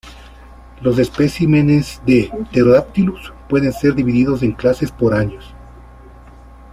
Los especímenes de "Pterodactylus" pueden ser divididos en clases por años.